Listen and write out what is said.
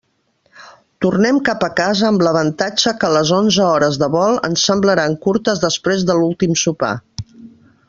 Tornem cap a casa amb l'avantatge que les onze hores de vol ens semblaran curtes després de l'últim sopar.